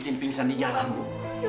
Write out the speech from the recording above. bu titin pingsan di jalan bu